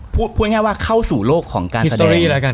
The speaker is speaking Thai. พูดง่ายว่าเข้าสู่โลกของการแสดง